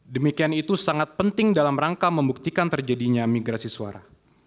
demikian itu sangat penting dalam rangka membuktikan terjadinya migrasi suara